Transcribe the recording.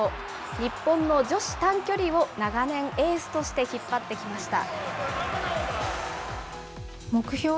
日本の女子短距離を長年エースとして引っ張ってきました。